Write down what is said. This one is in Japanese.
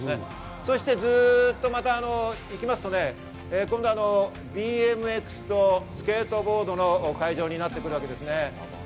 そして、ずっと行きますと今度はＢＭＸとスケートボードの会場になってくるわけです。